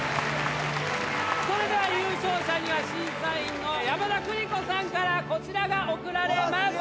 それでは優勝者には審査員の山田邦子さんからこちらが贈られます。